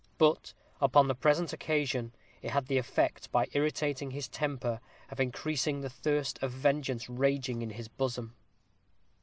But, upon the present occasion, it had the effect, by irritating his temper, of increasing the thirst of vengeance raging in his bosom.